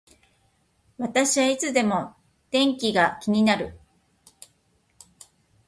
私はいつでも天気が気になる